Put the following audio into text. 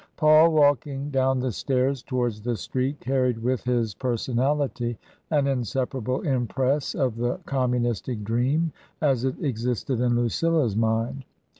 Paul walking down the stairs towards the street carried with his personality an inseparable impress of the com munistic dream as it existed in Lucilla's mind.